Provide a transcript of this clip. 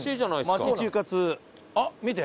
あっ見て。